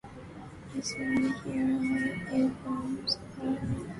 Listed here are a few from the more mainstream, or better-known, productions.